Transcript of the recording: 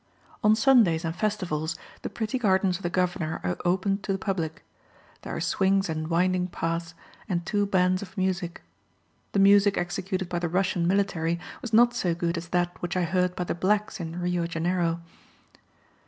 On Sundays and festivals the pretty gardens of the governor are opened to the public. There are swings and winding paths, and two bands of music. The music executed by the Russian military was not so good as that which I heard by the blacks in Rio Janeiro.